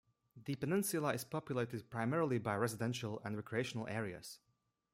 The peninsula is populated primarily by residential and recreational areas.